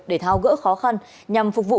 để thao gỡ khó khăn nhằm phục vụ